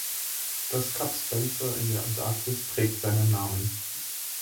Das Kap Spencer in der Antarktis trägt seinen Namen.